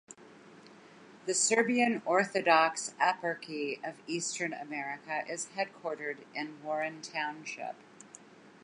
The Serbian Orthodox Eparchy of Eastern America is headquartered in Warren Township.